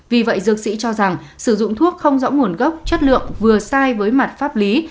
vì vậy dược sĩ cho rằng sử dụng thuốc không rõ nguồn gốc chất lượng vừa sai với mặt pháp lý